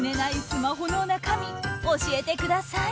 スマホの中身教えてください！